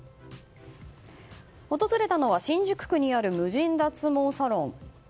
訪れたのは新宿区にある無人脱毛サロン。